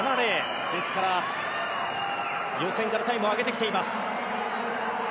ですから、予選からタイムを上げてきています。